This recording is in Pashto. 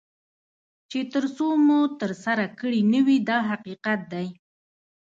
چې تر څو مو ترسره کړي نه وي دا حقیقت دی.